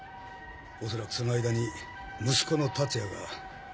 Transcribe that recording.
おそらくその間に息子の達也が。